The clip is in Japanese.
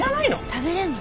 食べれんの？